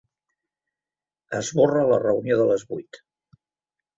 Esborra la reunió de les vuit.